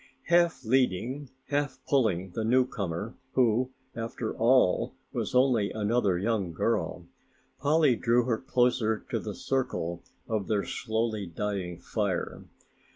Half leading, half pulling the newcomer, who after all was only another young girl, Polly drew her closer to the circle of their slowly dying fire.